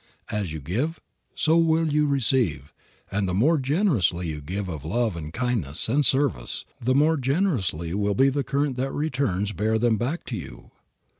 As you give, so will you receive, and the more generously you give of love and kindness and service the more generously will the current that returns bear them back to you.